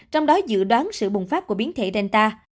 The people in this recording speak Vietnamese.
trong đó dự đoán sự bùng phát của biến thể delta